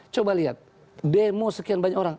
coba lihat demo sekian banyak orang